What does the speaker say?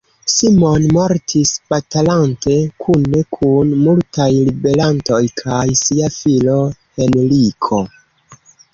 Simon mortis batalante, kune kun multaj ribelantoj kaj sia filo Henriko.